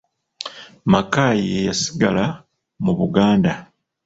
Mackay ye yasigala mu Buganda.